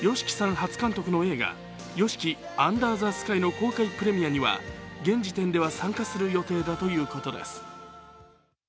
初監督の映画「ＹＯＳＨＩＫＩ：ＵＮＤＥＲＴＨＥＳＫＹ」の公開プレミアには現時点では参加する予定だということです。